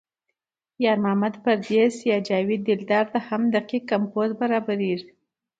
یار محمد پردیس یا جاوید دلدار ته هم دقیق کمپوز برابرېږي.